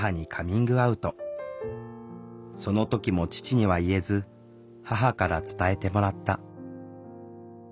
その時も父には言えず母から伝えてもらった。